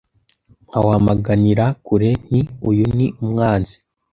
nkawamaganira kure nti uyu ni umwanzi